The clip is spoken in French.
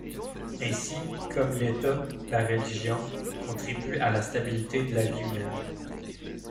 Ainsi, comme l'État, la religion contribue à la stabilité de la vie humaine.